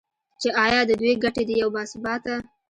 چې ایا د دوی ګټې د یو با ثباته